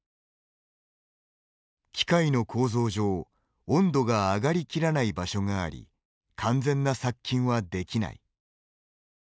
機械の構造上温度が上がりきらない場所があり完全な殺菌はできない。